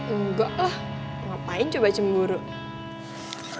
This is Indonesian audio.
enggak lah ngapain coba cemburu